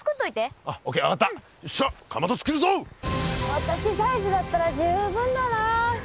私サイズだったら十分だな。